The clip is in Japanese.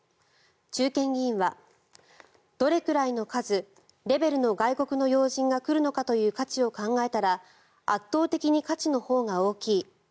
中堅議員はどれくらいの数、レベルの外国の要人が来るのかという価値を考えたら圧倒的に価値のほうが大きい。